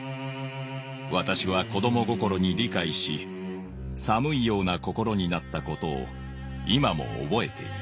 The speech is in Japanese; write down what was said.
私は子供心に理解し寒いような心になったことを今も覚えている」。